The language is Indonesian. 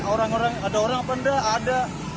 orang orang ada orang apa enggak ada